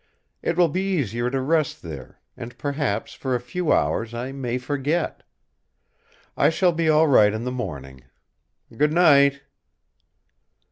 It will be easier to rest there; and perhaps for a few hours I may forget. I shall be all right in the morning. Good night!"